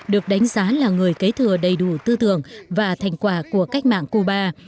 được đánh giá là người kế thừa đầy đủ tư tưởng và thành quả của cách mạng cuba